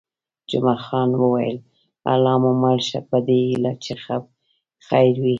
جمعه خان وویل: الله مو مل شه، په دې هیله چې خیر وي.